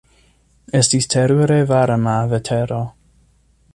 Estis terure varma vetero.